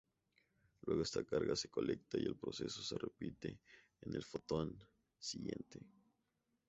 Luego esta carga se colecta y el proceso se repite en el fotón siguiente.